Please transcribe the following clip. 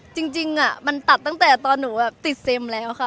จริงมันตัดตั้งแต่ตอนหนูแบบติดเซ็มแล้วค่ะ